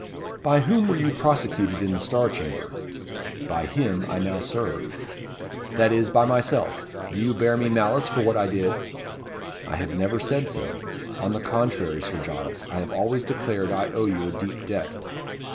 "By whom were you prosecuted in the Star Chamber?" "By him I now serve." "That is, by myself. Do you bear me malice for what I did?" "I have never said so. On the contrary, Sir Giles, I have always declared I owe you a deep debt."